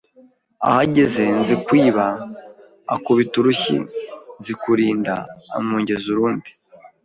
Ahageze Nzikwiba akubita urushyi Nzikurinda amwongeza urundi